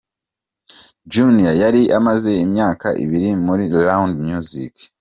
Junior yari amaze imyaka ibiri muri Round Music.